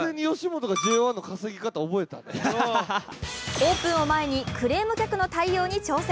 オープンを前にクレーム客の対応に挑戦。